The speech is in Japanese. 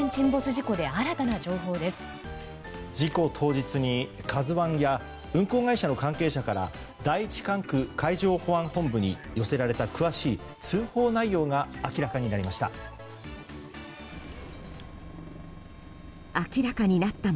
事故当日に「ＫＡＺＵ１」や運航会社の関係者から第１管区海上保安本部に寄せられた詳しい通報内容が明らかになりました。